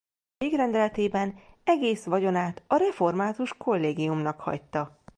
Végrendeletében egész vagyonát a református kollégiumnak hagyta.